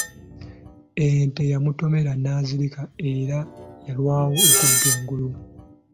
Ente yamutomera n'azirika era yalwawo okudda engulu.